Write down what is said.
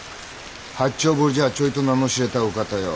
八丁堀じゃちょいと名の知れたお方よ。